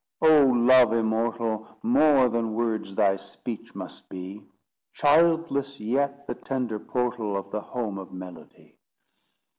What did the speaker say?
_ O Love immortal, More than words thy speech must be; Childless yet the tender portal Of the home of melody.